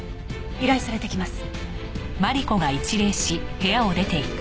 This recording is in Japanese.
依頼されてきます。